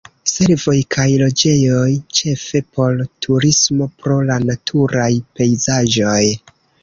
Servoj kaj loĝejoj ĉefe por turismo pro la naturaj pejzaĝoj.